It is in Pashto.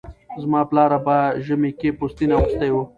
زما پلاره به ژمي کې پوستين اغوستی و